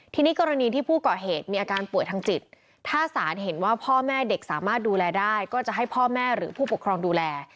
ทีนี้กรณีที่ผู้ก่อเหตุมีอาการป่วยทางจิตถ้าสารเห็นว่าพ่อแม่เด็กสามารถดูแลได้ก็จะให้พ่อแม่หรือผู้ปกครองดูแล